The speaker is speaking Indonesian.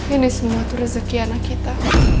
ini semua itu rezeki anak kita